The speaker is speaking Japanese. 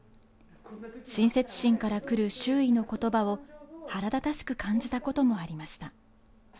親切心からくる周囲の言葉を腹立たしく感じたこともありました。